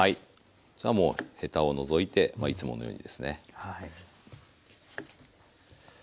じゃもうヘタを除いてまあいつものようにですね。